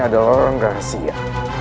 ada orang rahasia